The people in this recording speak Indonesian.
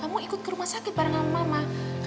kamu ikut ke rumah sakit bareng sama mama